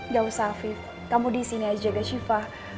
gak usah alvif kamu disini aja jaga syifa